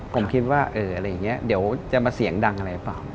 ผมคิดว่าอะไรอย่างนี้เดี๋ยวจะมาเสียงดังอะไรหรือเปล่า